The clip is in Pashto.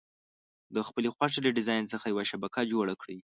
د خپلې خوښې له ډیزاین څخه یوه شبکه جوړه کړئ.